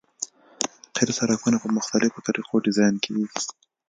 قیر سرکونه په مختلفو طریقو ډیزاین کیږي